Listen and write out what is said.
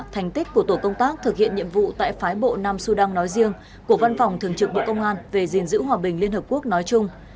thành tích của tổ công tác thực hiện nhiệm vụ tại phái bộ nam sudan nói riêng của văn phòng thường trực bộ công an về gìn giữ hòa bình liên hợp quốc nói chung